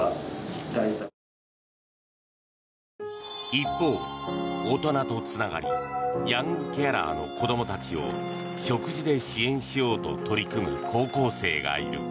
一方、大人とつながりヤングケアラーの子どもたちを食事で支援しようと取り組む高校生がいる。